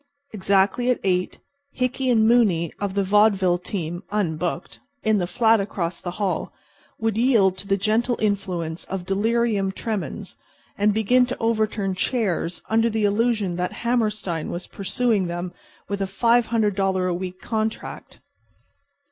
Exactly at eight Hickey & Mooney, of the vaudeville team (unbooked) in the flat across the hall, would yield to the gentle influence of delirium tremens and begin to overturn chairs under the delusion that Hammerstein was pursuing them with a five hundred dollar a week contract.